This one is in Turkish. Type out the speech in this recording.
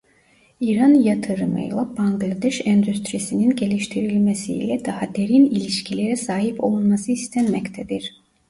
İran yatırımıyla Bangladeş endüstrisinin geliştirilmesi ile daha derin ilişkilere sahip olunması istenmektedir.